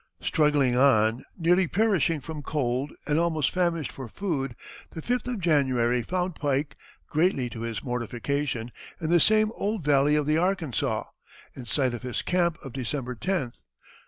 Struggling on, nearly perishing from cold, and almost famished for food, the 5th of January found Pike, greatly to his mortification, in the same old valley of the Arkansas, in sight of his camp of December 10th.